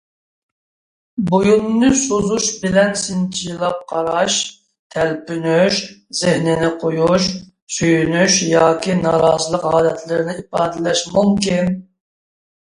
بويۇننى سوزۇش بىلەن سىنچىلاپ قاراش، تەلپۈنۈش، زېھنىنى قويۇش، سۆيۈنۈش ياكى نارازىلىق ھالەتلىرىنى ئىپادىلەش مۇمكىن.